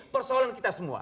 persoalan kita semua